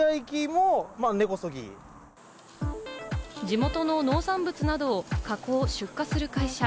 地元の農産物などを加工・出荷する会社。